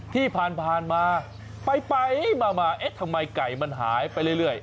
ที่ผ่านมาไปมาเอ๊ะทำไมไก่มันหายไปเรื่อย